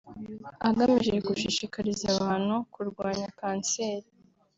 agamije gushishikariza abantu kurwanya kanseri